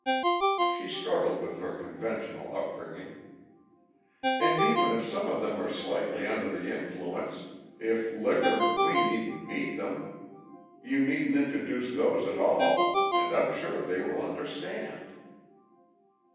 She struggled with her conventional upbringing. "And even if some of them are slightly under the influence of liquor, we needn't meet them. You needn't introduce those at all, and I'm sure they will understand."